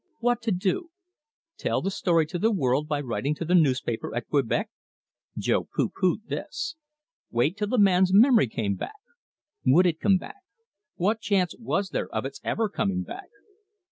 What to do? Tell the story to the world by writing to the newspaper at Quebec? Jo pooh poohed this. Wait till the man's memory came back? Would it come back what chance was there of its ever coming back?